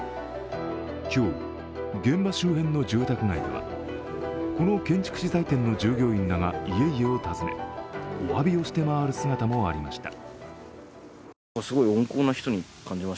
今日、現場周辺の住宅街ではこの建築資材店の従業員らが家々を訪ねおわびをして回る姿もありました。